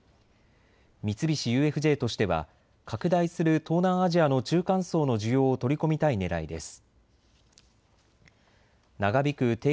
三菱ＵＦＪとしては拡大する東南アジアの中間層の需要を取り込みたいねらいです。